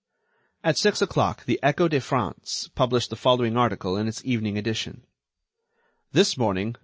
At six o'clock the Echo de France published the following article in its evening edition: "This morning Mon.